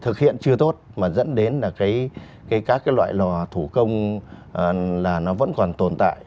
chưa tốt mà dẫn đến là các cái loại lò thủ công là nó vẫn còn tồn tại